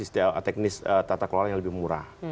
istilah teknis tata kelola yang lebih murah